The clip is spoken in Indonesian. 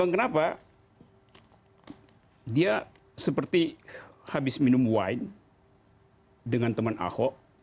kenapa dia seperti habis minum wine dengan teman ahok